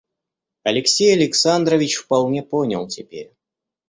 Алексей Александрович вполне понял теперь.